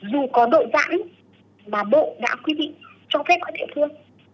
dù có đội giãn mà bộ đã quý vị cho phép ở địa phương